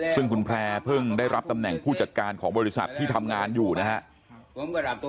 ซึ่งคุณแพร่เพิ่งได้รับตำแหน่งผู้จัดการของบริษัทที่ทำงานอยู่นะครับ